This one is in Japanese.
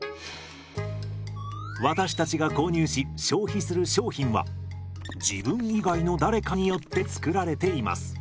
私たちが購入し消費する商品は自分以外の誰かによって作られています。